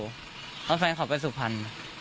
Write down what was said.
เพราะว่าแฟนเขาไปสุพรรณ